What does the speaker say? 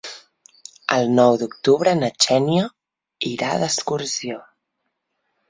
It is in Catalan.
El nou d'octubre na Xènia irà d'excursió.